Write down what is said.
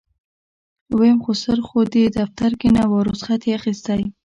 ويم خسر خو دې دفتر کې نه و رخصت يې اخېستی.